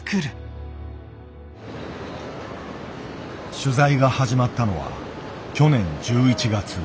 取材が始まったのは去年１１月。